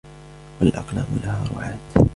وَالْأَقْلَامَ لَهَا رُعَاةً